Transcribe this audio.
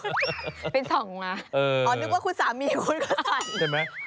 นึกว่าคุณสามีคุณก็ใส่